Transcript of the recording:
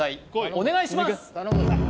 お願いします